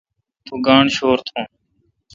تو گاݨڈ شور تھون۔